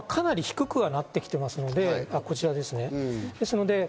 かなり低くはなってきていますので、こちらですね。